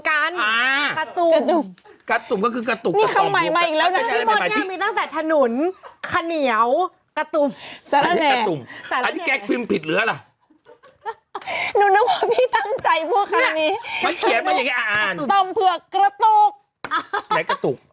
กะอะไรนะพี่เมนเป็นอะไรนะมีคำใหม่อีกแล้ว